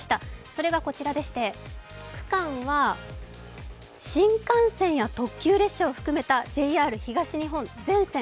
それがこちらでして、区間は新幹線や特急列車を含めたＪＲ東日本全線。